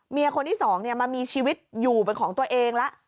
คนที่สองมามีชีวิตอยู่เป็นของตัวเองแล้ว